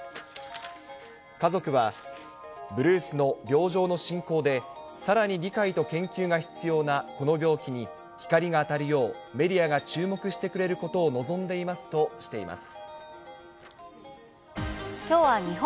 家族は、ブルースの病状の進行で、さらに理解と研究が必要なこの病気に光が当たるよう、メディアが注目してくれることを望んでいますとしています。